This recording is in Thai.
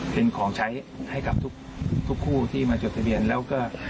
เป็นของใช้ให้กับทุกคู่ที่มาจดทะเบียนแล้วก็